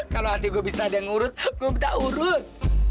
kalau hati gue bisa ada yang ngurut gue urut